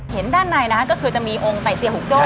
เห็นด้านในนะก็คือจะมีองค์ไตเสียหุ้กโจ้